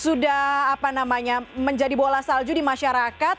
sudah apa namanya menjadi bola salju di masyarakat